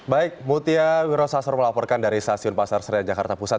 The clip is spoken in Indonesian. baik mutia wirosasar melaporkan dari stasiun pasar serian jakarta pusat